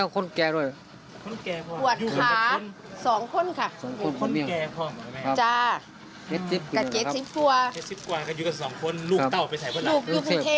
พวกมัวอยู่บ้างข้าลำบากปีนี้